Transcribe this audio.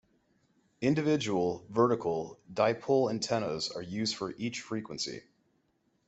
Individual vertical dipole antennas are used for each frequency.